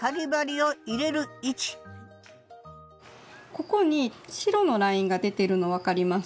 ここに白のラインが出てるの分かりますか？